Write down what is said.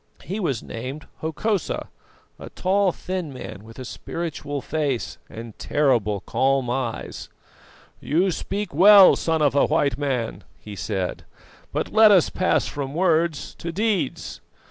He was named Hokosa, a tall, thin man, with a spiritual face and terrible calm eyes. "'You speak well, son of a White Man,' he said, 'but let us pass from words to deeds.